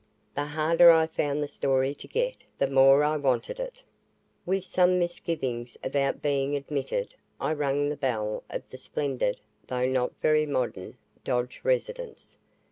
The harder I found the story to get, the more I wanted it. With some misgivings about being admitted, I rang the bell of the splendid, though not very modern, Dodge residence.